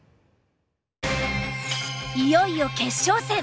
いよいよ決勝戦。